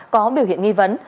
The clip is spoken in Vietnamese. có biểu hiện nghi vấn